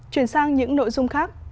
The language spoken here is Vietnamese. chuyển sang những nội dung khác